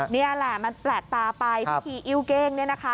นี่แหละมันแปลกตาไปพิธีอิ้วเก้งเนี่ยนะคะ